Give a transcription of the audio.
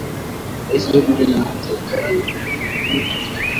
Rais Joe Biden amekosoa vikali uwamuzi huo